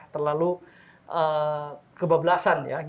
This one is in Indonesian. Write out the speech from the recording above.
terlalu kebablasan ya